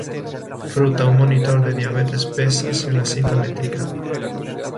fruta, un monitor de diabetes, pesas y una cinta métrica